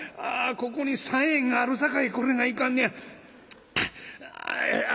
ここに３円があるさかいこれがいかんのや。